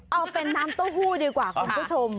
เอาเป็นน้ำเต้าหู้ดีกว่าคุณผู้ชม